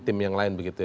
tim yang lain begitu ya